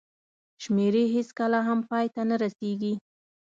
شمېرې هېڅکله هم پای ته نه رسېږي.